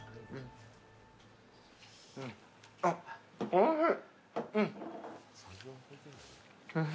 おいしい。